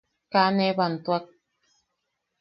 Kaa ne bantuak.